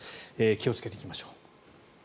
気をつけていきましょう。